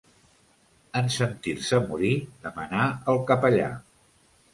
En sentir-se morir, demanà el capellà.